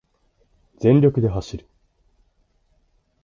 全力で走る